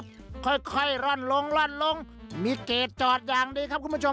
บีชิวยัพพี